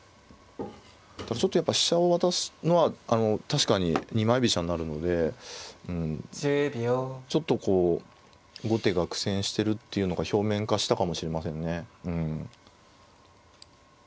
ちょっとやっぱ飛車を渡すのは確かに二枚飛車になるのでちょっとこう後手が苦戦してるっていうのが表面化したかもしれませんね。